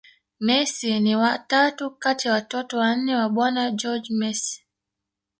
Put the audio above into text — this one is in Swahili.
Messi ni wa tatu kati ya watoto wanne wa bwana Jorge Mesi